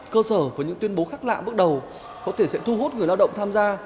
cơ sở với những tuyên bố khác lạ bước đầu có thể sẽ thu hút người lao động tham gia